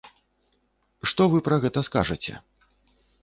Што вы пра гэта скажаце?